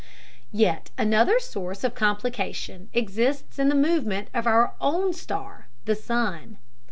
Yet another source of complication exists in the movement of our own star, the sun.